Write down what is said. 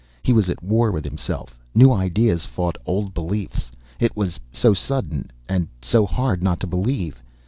He was at war with himself. New ideas fought old beliefs. It was so sudden and so hard not to believe.